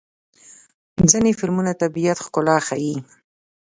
ځینې فلمونه د طبیعت ښکلا ښيي.